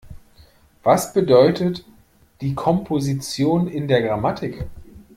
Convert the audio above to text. Was bedeutet die Komposition in der Grammatik?